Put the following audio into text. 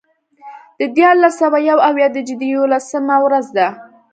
د دیارلس سوه یو اویا د جدې یوولسمه ورځ ده.